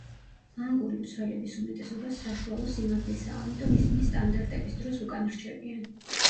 ფლანგური მცველების უმეტესობა საშუალო სიმაღლისაა ამიტომ ისინი სტანდარტების დროს უკან რჩებიან.